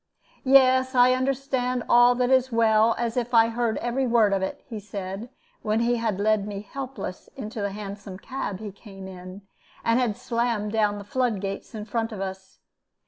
"Yes, I understand all that as well as if I had heard every word of it," he said, when he had led me helpless into the Hansom cab he came in, and had slammed down the flood gates in front of us.